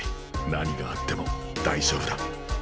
何があっても大丈夫だ。